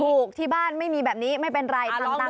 ที่บ้านไม่มีแบบนี้ไม่เป็นไรทำตาม